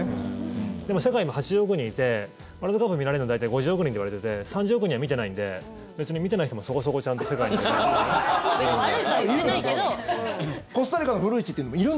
世界は今、８０億人いてワールドカップ見られるのは大体５０億人といわれていて３０億人は見ていないので別に見ていない人もそこそこちゃんと世界にいる。